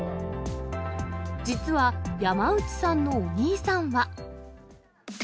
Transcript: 実は山内さんのお兄さんは。